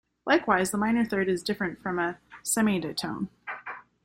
Likewise, the minor third is different from a semiditone.